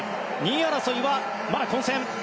２位争いはまだ混戦。